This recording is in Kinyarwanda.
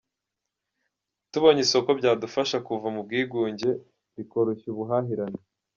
Tubonye isoko byadufasha kuva mu bwigunge rikoroshya ubuhahirane”.